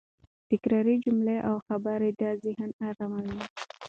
تکراري جملې او خبرې د ذهن اراموي.